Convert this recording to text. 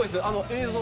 映像